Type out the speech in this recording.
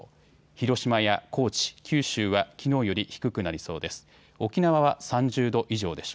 広島や高知、九州はきのうより低くなりそうです。